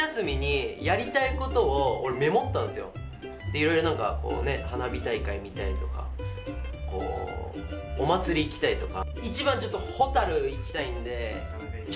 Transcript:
いろいろ花火大会見たりとかお祭り行きたいとか。